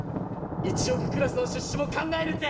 １億クラスの出資も考える」って！